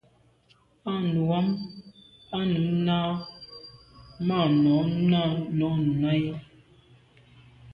À nu am à num na màa nô num nà i.